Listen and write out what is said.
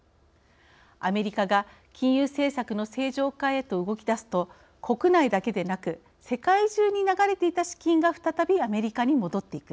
アメリカが金融政策の正常化へと動きだすと国内だけでなく世界中に流れていた資金が再びアメリカに戻っていく。